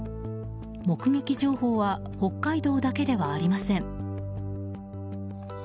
目撃情報は北海道だけではありません。